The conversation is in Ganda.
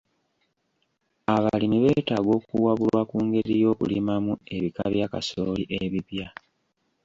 Abalimi beetaaga okuwabulwa ku ngeri y'okulimamu ebika bya kasooli ebipya.